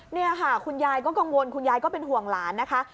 นี่ค่ะคุณยายก็กังวลคุณยายก็เป็นห่วงหลานนะคะ